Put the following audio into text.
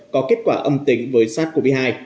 có kết quả âm tính với sars cov hai